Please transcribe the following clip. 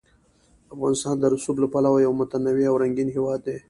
افغانستان د رسوب له پلوه یو متنوع او رنګین هېواد دی.